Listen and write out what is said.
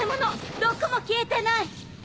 毒も消えてない！